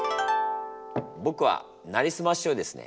僕は「なりすまし」をですね